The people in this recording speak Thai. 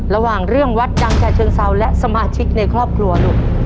ระหว่างเรื่องวัดดังจากเชิงเซาและสมาชิกในครอบครัวลูก